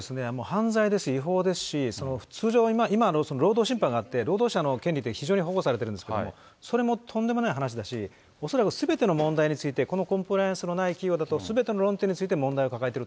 犯罪ですし、違法ですし、通常、今の労働審判があって、労働者の権利って非常に保護されてるんですけれども、それもとんでもない話だし、恐らくすべての問題について、このコンプライアンスのない企業だと、すべての論点について問題を抱えていると。